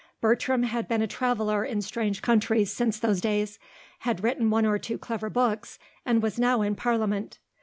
Bertram had been a traveller in strange countries since those days, had written one or two clever books and was now in Parliament.